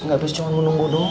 gak bisa cuma menunggu doang